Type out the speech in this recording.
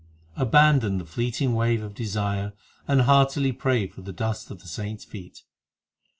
Abandon the fleeting wave of desire, And heartily pray for the dust of the saints feet.